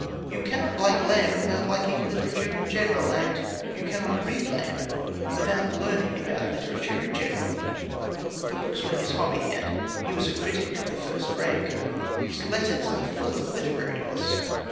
You cannot like Lamb without liking literature in general. And you cannot read Lamb without learning about literature in general; for books were his hobby, and he was a critic of the first rank. His letters are full of literariness.